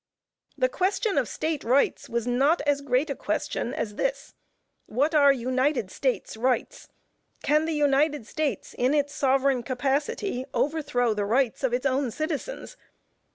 The question of State rights was not as great a question as this: What are United States rights? Can the United States, in its sovereign capacity, overthrow the rights of its own citizens?